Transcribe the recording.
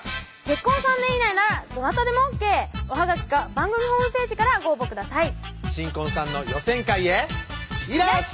結婚３年以内ならどなたでもＯＫおはがきか番組ホームページからご応募ください